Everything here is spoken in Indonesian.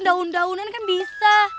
daun daunan kan bisa